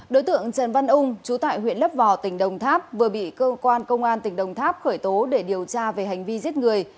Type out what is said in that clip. đối tượng trần văn ung chú tại huyện lấp vò tỉnh đồng tháp vừa bị cơ quan công an tỉnh đồng tháp khởi tố để điều tra về hành vi giết người